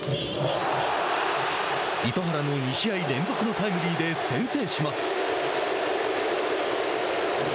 糸原の２試合連続のタイムリーで先制します。